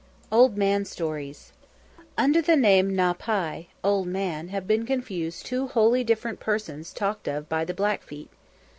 OLD MAN STORIES Under the name Na´pi, Old Man, have been confused two wholly different persons talked of by the Blackfeet.